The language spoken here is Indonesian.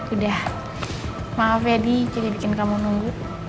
udah maaf ya adi jadi bikin kamu nunggu